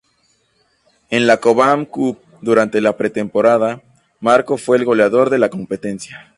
En la Cobham Cup durante la pretemporada, Marko fue el goleador de la competencia.